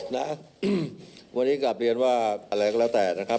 นะวันนี้กลับเรียนว่าอะไรก็แล้วแต่นะครับ